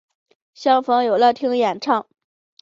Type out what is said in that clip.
相逢有乐町演唱。